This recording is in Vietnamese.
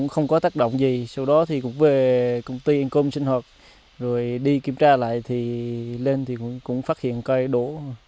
không có tác động gì sau đó thì cũng về công ty income sinh hoạt rồi đi kiểm tra lại thì lên thì cũng phát hiện cây đổ